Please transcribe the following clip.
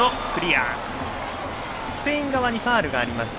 スペイン側にファウルがありました。